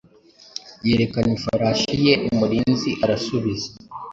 Yerekana ifarashi yeumurinziarasubiza